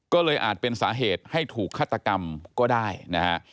ก็เลยอาจเป็นสาเหตุให้ถูกฆาตกรรมก็ได้นะฮะ